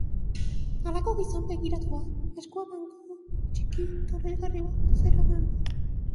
Halako gizon begiratua, eskuan banku txiki tolesgarri bat zeramana....